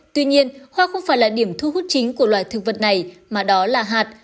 tuy nhiên hoa không phải là điểm thu hút chính của loài thực vật này mà đó là hạt